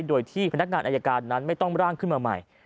โดยที่พนักงานอายการนั้นไม่ต้องร่างขึ้นมาใหม่